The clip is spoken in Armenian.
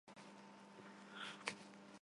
Վարարում է գարնանը։